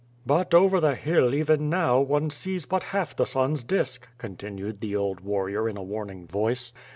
"But over the hill even now one sees but half the sun's disk," continued the old warrior in a warning voice.